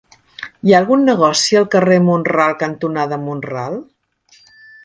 Hi ha algun negoci al carrer Mont-ral cantonada Mont-ral?